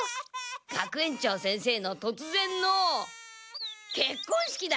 学園長先生のとつぜんの結こん式だ！